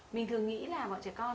mình thường nghĩ là bọn trẻ con